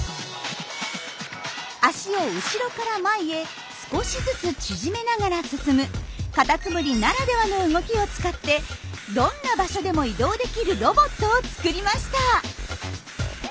足を後ろから前へ少しずつ縮めながら進むカタツムリならではの動きを使ってどんな場所でも移動できるロボットを作りました。